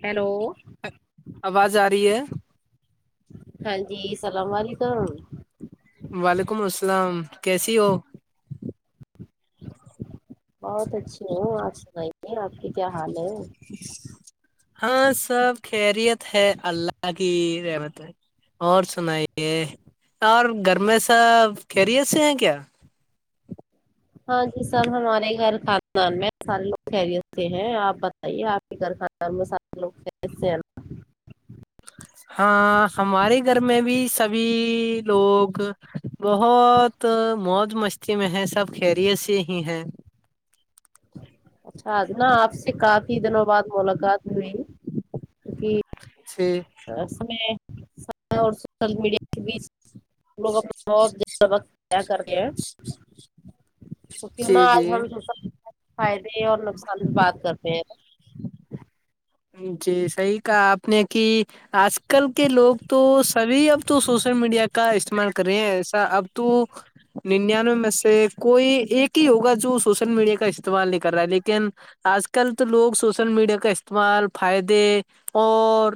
hello آواز آ رہی ہے ہاں جی سلام و علیکم وعلیکم السلام کیسی ہو بہت اچھی ہوں آپ سنائیے آپ کی کیا حال ہے ہاں سب خیریت ہے اللہ کی رحمت ہے اور سنائیے اور گھر میں سب خیریت سے ہیں کیا ہاں جی سب ہمارے گھر خاندان میں سارے لوگ خیریت سے ہیں آپ بتائیے آپ کے گھرخاندان میں سارے لوگ خیریت سے ہیں نہ ہاں ہمارے گھر میں بھی سبھی لوگ بہت تو موج مستی میں ہے سب خیریت سے ہی ہے اچھا ادنا آپ سے کافی دنوں بعد ملاقات ہوئی جی اصل میں اور سوشل میڈیا کے بیچ ہم لوگ اپنا [unintelligible] سبق طے کر گئے تو کیوں نہ جی آج جی ہم سب فائدے اور نقصان بھی بات کرتے ہیں جی صحیح کہا آپ نے کی آج کل کے لوگ تو سبھی اب تو سوشل میڈیا کا استعمال کر رہے ہیں ایسا اب تو ننیانوے میں سے کوئی ایک ہی ہوگا جو سوشل میڈیا کا استعمال نہیں کر رہا ہے لیکن آج کل تو لوگ سوشل میڈیا کا استعمال فائدے اور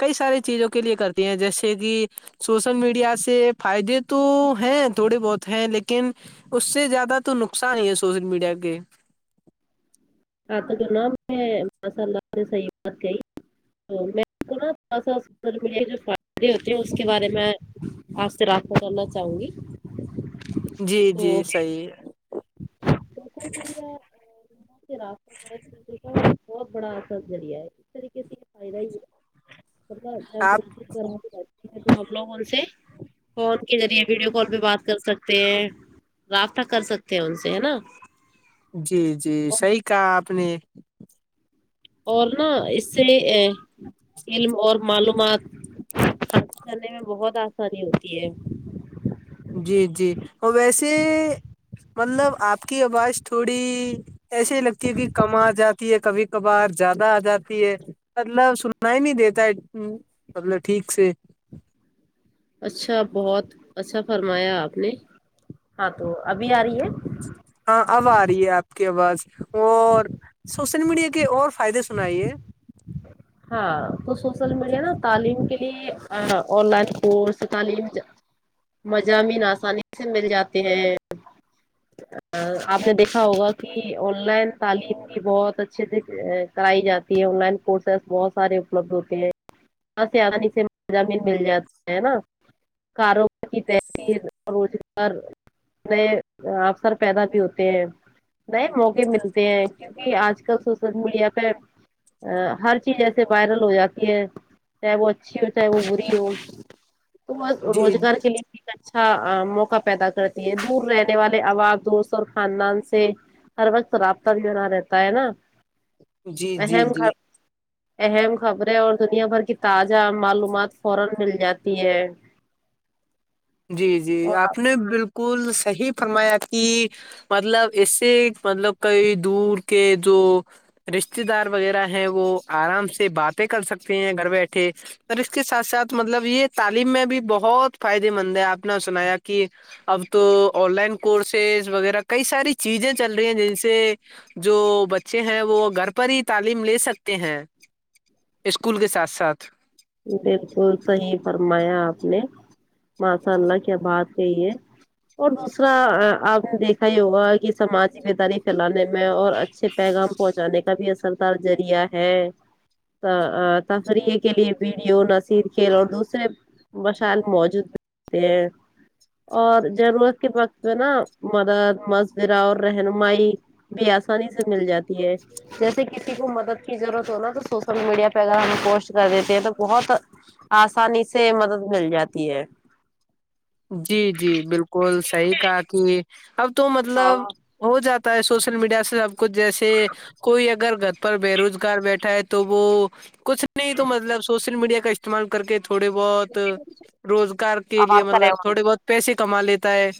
کئی ساری چیزوں کے لیے کرتے ہیں جیسے کی سوشل میڈیا سے فائدے تو ہیں تھوڑے بہت ہیں لیکن اس سے زیادہ تو نقصان ہی ہے سوشل میڈیا کے ماشاء اللہ صحیح بات کہئی تو میں [unintelligible] تھوڑا سا سوشل میڈیا جو فائدے ہوتے ہیں اس کے بارے میں آپ سے رابطہ کرنا چاہوں گی جی جی تو صحیح ہے سوشل [unintelligible] بہت بڑا اثر چلیا ہے اس طریقے سے یہ فائدہ ہی ہے [unintelligible] آپ [unintelligible] بہت لوگول سے فون کے ذریعے ویڈیو کال پہ بات کر سکتے ہیں رابطہ کر سکتے تے ان سے ہےنہ جی جی صحیح کہا آپ نے اور نا اس سے علم اور معلومات حاصل کرنے میں بہت آسانی ہوتی ہے جی جی اور ویسے مطلب آپ کی آواز تھوڑی ایسے ہی لگتی ہے کہ کم آ جاتی ہے کبھی کبھار زیادہ آ جاتی ہے مطلب سننا ہی نہیں دیتا ہے مطلب ٹھیک سے اچھا بہت اچھا فرمایا آپ نے ہاں تو ابھی آ رہی ہے ہاں اب آ رہی ہے آپ کی آواز اور سوشل میڈیا کے اور فائدے سنائیے ہاں تو سوشل میڈیا نا تعلیم کے لیے آن لائن کورس تعلیم مضامین آسانی سے مل جاتے ہیں آپ نے دیکھا ہوگا کی آن لائن تعلیم بھی بہت اچھے سے کرائی جاتی ہے آن لائن کورس بہت سارے اپلبدھ ہوتے ہیں آ سانی سے مضامین مل جاتے ہے نا کاروبار کی تحریر روزگار نئے افثر پیدا بھی ہوتے ہیں نہیںئے موقع ملتے ہیں کیونکہ آج کل سوشل میڈیا پہ ہر ای جیسے وائرل ہو جاتی ہے چاہے وہ اچھی ہو چاہے وہ بری ہو تو جی روزگار کے لیے بھی اچھا موقع پیدا کرتی ہے دور رہنے والے عوام دوست اور خاندان سے ہر وقت رابطہ بھی بنا رہتا ہے نا جی جی اہم جی خ اہم خبریں اور دنیا بھر کی تازہ معلومات فورا مل جاتی ہے جی جی اور آپ نے بالکل صحیح فرمایا کی مطلب اسے مطلب کئی دور کے جو رشتے دار وغیرہ ہیں وہ آرام سے باتیں کر سکتے ہیں گھر بیٹھے اور اس کے ساتھ ساتھ مطلب یہ تعلیم میں بھی بہت فائدے مند ہے آپ نے سنایا کی اب تو آن لائن کورسز وغیرہ کئی ساری چیزیں چل رہی ہیں جن سے جو بچے ہیں وہ گھر پر ہی تعلیم لے سکتے ہیں اسکول کے ساتھ ساتھ بالکل صحیح فرمایا آپ نے ماشاء اللہ کیا بات کہی ہے اور دوسرا آپ نے دیکھا یہ ہوگا کہ سمجی بیداری پھیلانے میں اور اچھے پیغام پہنچانے کا بھی اثردار ذریعہ ہے تفریح کے لیے ویڈیو نہ صرف کے اور دوسرے مشائل موجود ہوتے ہیں اور ضرورت کے وقت میں نا مدد مشورہ اور رہنمائی بھی آسانی سے مل جاتی ہے جیسے کسی کو مدد کی ضرورت ہو نا تو سوشل میڈیا پہ اگر ہمیں پوسٹ کر دیتے ہیں تو بہت آسانی سے مدد مل جاتی ہے جی جی بالکل صحیح کہا کہ اب تو مطلب ہو جاتا ہے سوشل میڈیا سے سب کچھ جیسے کوئی اگرگھر پر بے روزگار بیٹھا ہے تو وہ کچھ نہیں تو مطلب سوشل میڈیا کا استعمال کر کے تھوڑے بہت روزگار کے لیے آواز کا مطلب رہے تھوڑے بہت پیسے کما لیتا ہے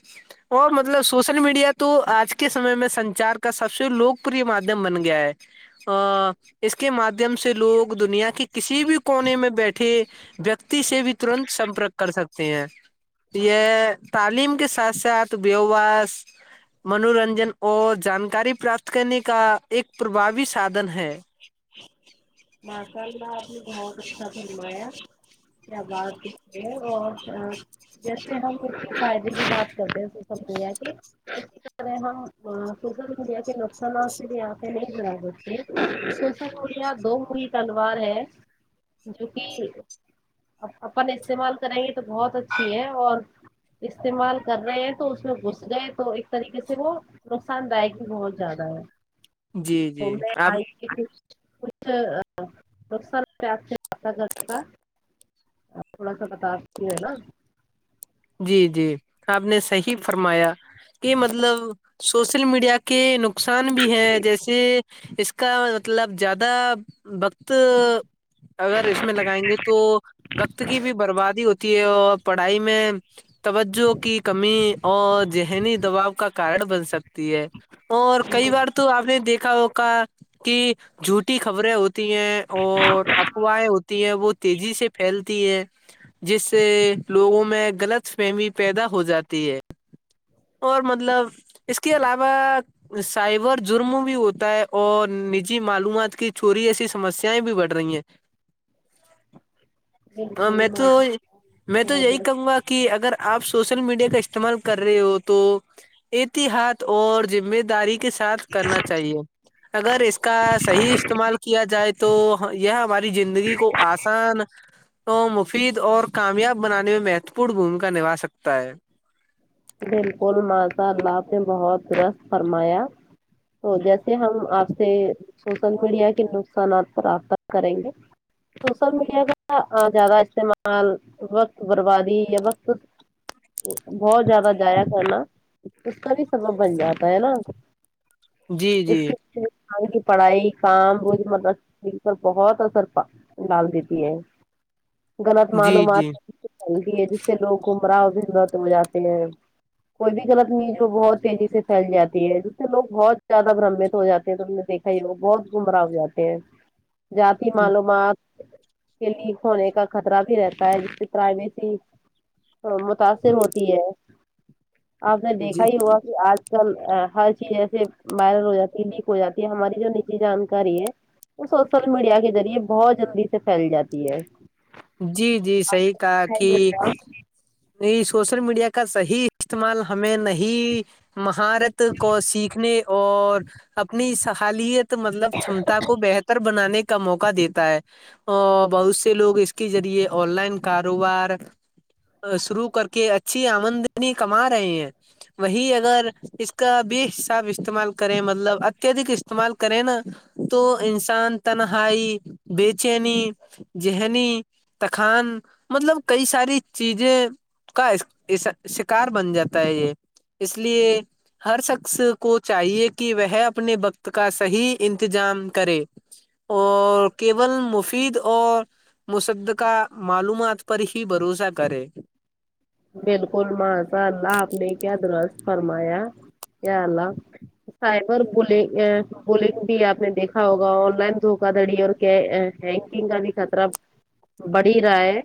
اور مطلب سوشل میڈیا تو آج کے سمے میں سنچار کا سب سے لوکپ مادھیم بن گیا ہے ا اس کے مادھیم سے لوگ دنیا کی کسی بھی کونے میں بیٹھے ویکتی سے بھی ترنت سمپرک کر سکتے ہیں جیہ تعلیم کے ساتھ ساتھ بیس منورنجن اور جانکاری پراپت کرنے کا ایک پرباوی سادن ہے جی مارسال میں آپ نے بہت اچھا گنمایا کیا بات ہے اور جس دن ہم ک فائدے کی بات کرتے اس سب دیا کہ ہم سوشل میڈیا کے نقصانات سے بھی آپ نہیں گا دیتے د ہوولیا دو ہوئی تلوار ہے جو کی اپن استعمال کریں گے تو بہت اچھی ہے اور استعمال کر رہے ہیں تو اس میں گھس گئے تو ایک طریقے سے وہ نقصان دائک ہی بہت زیادہ ہے جی تو جی میں آپ کچھ نقصان داںک زیادہ گھر کا تھوڑا سا بتاتی ہے نا جی جی آپ نے صحیح فرمایا کہ مطلب سوشل میڈیا کا کے نقصان بھی ہے جیسے اس کا مطلب زیادہ وقت اگر اس میں لگائیں گے تو وقت کی بھی بربادی ہوتی ہے اور پڑھائی میں توجہ کی کمی اور ذہنی دباؤ کا کارن بن سکتی ہے اور کئی بار تو آپ نے دیکھا ہو کہا کہ جھوٹی خبریں ہوتی ہیں اور افواہیں ہوتی ہیں وہ تیزی سے پھیلتی ہے جس سے لوگوں میں غلط فہمی پیدا ہو جاتی ہے اور مطلب اس کے علاوہ سائبر جرم بھی ہوتا ہے اور نجی معلومات کی چوری ایسی سمسیایں بھی بڑھ رہی ہیں ہ میں تو میں تو یہی کروں گا کہ اگر آپ سوشل میڈیا کا استعمال کر رہے ہو تو احتیاط اور ذمہ داری کے ساتھ کرنا چاہیے اگر اس کا صحیح استعمال کیا جائے تو یہ ہماری زندگی کو آسان مفید اور کامیاب بنانے میں م م پور بھومکا نبا سکتا ہے بالکل ماشاءا اللہ آپ نے بہت رس فرمایا ا جیسے ہم آپ سے سوشل میڈیا کے نقصانات پر رابطہ کریں گے سوشل میڈیا کا زیادہ استعمال وقت بربادی یا وقت بہت زیادہ جضایا کرنا اس کا بھی سبب بن جاتا ہے نا جی اس جی کے ہ کی پڑھائی کام بھ ملب بہت اثر پا بال دیتی ہے غلط جی معلومات جی چلتی ہے جس سے لوگ عمراہ و بھیغت ہو جاتے ہیں کوئی بھی غلط میز وہ بہت تیزی سے پھیل جاتی ہے جس سے لوگ بہت زیادہ برمت ہو جے ہیں تو نے دیکھ کی لوگ بہت گمراہ ہو جاتے ہیں ذاتی معلومات کے لیک ہونے کا خطرہ بھی رہتا ہے جس سے پرائیویسی متاثر ہوتی ہے آپ نے دیکھا جی ہی ہوا کہ آج ہر چیز جسے وائرل ہو جاتی ہے لیک ہو جاتی ہے ہماری جو نیچی جانکاری ہے وہ سوشل میڈیا کے ذریعے بہت جلدی سے پھیل جاتی ہے جی جی صحیح کہا کہ چا نہیں سوشل میڈیا کا صحیح استعمال ہمیں نہیں ہی مہارت کو سیکھنے اور اپنی صحالیت مطلب چمتا کو بہتر بنانے کے کا موقع دیتا ہے اور بہت سے لوگ اس کے ذریعے آن لائن کاروبار شروع کر کے اچھی آمدنی کما رہے ہیں وہی اگر اس کا بے حساب استعمال کریں مطلب اتیہدک استعمال کریں نا تو انسان تنہائی بے چینی ذہنی تخان مطلب کئی ساری چیزیں کا شکار بن جاتا ہے یہ اس لیے ہر شخص کو چاہیے کہ وہ اپنے وقت کا صحیح انتجام کرے اور کیول مفید اور مصد کا معلومات پر ہی بھروسہ کرے بالکل ماشا اللہ آپ نے کیا دراز فرمایا کیا اللہ سائبر بولگ بولنگ بھی آپ نے دیکھا ہوگا آن لائن دھوکا دڑی اور کیا بکنگ کا بھی خطرہ بڑ ہی رہا ہے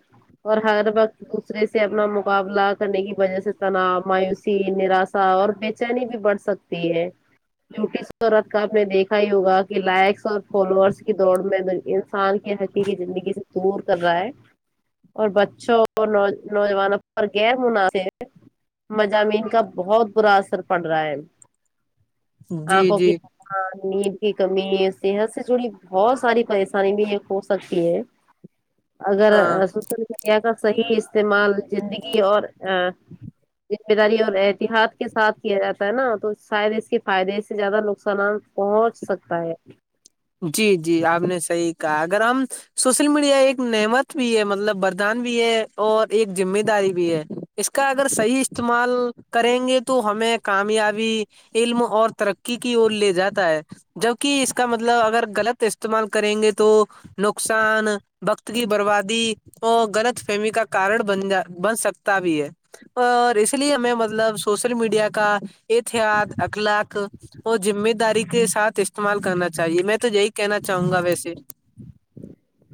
اور ہر وقت دوسرے سے اپنا مقابلہ کرنے کی وجہ سے تناؤ مایوسی نراشا اور بےچینی بھی بڑھ سکتی ہے ٹی رت کاپ نے دیکھا ہی ہوگا کہ لائکس اور فالوورس کی دوڑ میں ان کی حقیی زندگی سے دور کر رہا ہے اور بچوں اور نوجوانوں اور غیر مناسب مضامین کا بہت برا اثر پڑ رہا ہے جی آنکھوں کی جی ہاں نیند کی کمی صحت سے جڑی بہت ساری پریشانی بھی ہو سکتی ہے [unintelligible] اگر ہاں سوشل میڈیا کا صحیح استعمال زندگی اور زند ذمہ داری اور احتیاط کے ساتھ کیا جاتا ہے نا تو شاید اس کے فائدے سے زیادہ نقصانات پہنچ سکتا ہے جی جی آپ نے صحیح کہا اگر ہم سوشل میڈیا ایک نعمت بھی ہے مطلب ردان بھی ہے اور ایک ذمہ داری بھی ہے اس کا اگر صحیح استعمال کریں گے تو ہمیں کامیابی علم اور ترقی کی اور لے جاتا ہے جبک اس کا مطلب مطلب اگر غلط استعمال کریں گے تو نقصان وقت کی بربادی وہ غلط فہمی کا کارن بن جا بن سکتا بھی ہے اور اس لیے ہمیں مطلب سوشل میڈیا کا احتیاط اخلاق اور ذمہ داری کے ساتھ استعمال کرنا چاہیے میں تو یہی کہنا چاہوں گا ویسے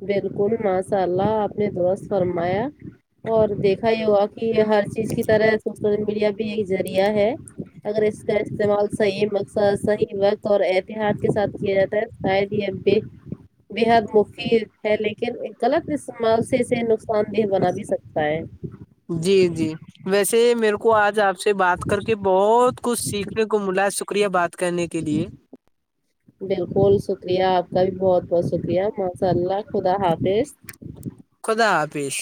بالکل ماشاء اللہ آپ نے درست فرمایا اور دیکھا یہ ہوا کہ ہر چیز کی طرح سوشل میڈیا بھی ایک ذریعہ ہے اگر اس کا استعمال صحیح مقصد صحیح وقت اور احتیاط کے ساتھ کیا جاتا ہے شاید یہ ب بےحد مفید ہے لیکن غلط استمعال سے نقصان دہ بنا بھی سکتا ہے جی جی ویسے میرے کو آج آپ سے بات کر کے بہت کچھ سیکھنے کو ملا شکریہ بات کرنے کے لیے [inaudible] بالکل شکریہ آپ کا بھی بہت بہت شکریہ ماشاء اللہ خدا حافظ خدا حافظ